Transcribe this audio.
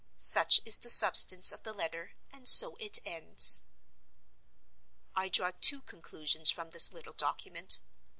—Such is the substance of the letter, and so it ends. I draw two conclusions from this little document.